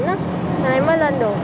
nên em mới lên được